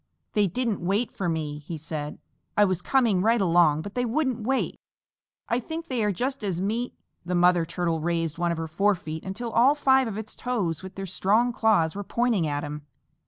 "They didn't wait for me," he said. "I was coming right along but they wouldn't wait. I think they are just as mea " The Mother Turtle raised one of her forefeet until all five of its toes with their strong claws were pointing at him.